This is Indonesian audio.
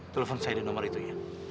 telepon saya di nomor itu ya